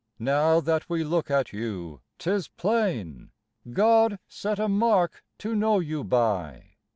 Now that we look at you, 'tis plain God set a mark to know you by.